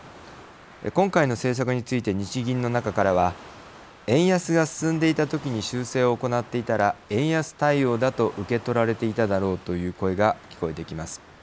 今回の政策について日銀の中からは「円安が進んでいた時に修正を行っていたら円安対応だと受け取られていただろう」という声が聞こえてきます。